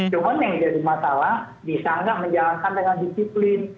cuman yang jadi masalah bisa gak menjalankan dengan disiplin